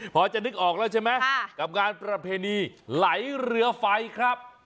พอจะนึกออกแล้วใช่ไหมกับงานประเพณีไหลเรือไฟครับ